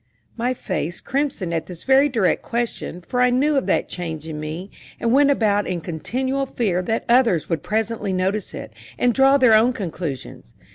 My face crimsoned at this very direct question, for I knew of that change in me, and went about in continual fear that others would presently notice it, and draw their own conclusions.